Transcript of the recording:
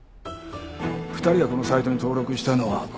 ２人がこのサイトに登録したのは５年前。